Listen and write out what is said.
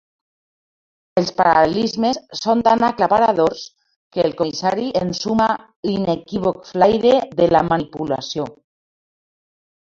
Els paral·lelismes són tan aclaparadors que el comissari ensuma l'inequívoc flaire de la manipulació.